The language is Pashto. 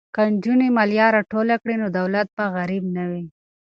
که نجونې مالیه راټوله کړي نو دولت به غریب نه وي.